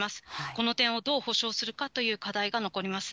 この点をどう保障するかという課題が残ります。